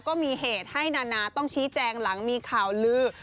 ก็มีเหตุให้นานาต้องชี้แจงหลังมีข่าวลือ